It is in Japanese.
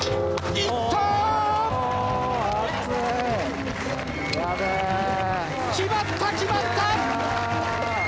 決まった決まった！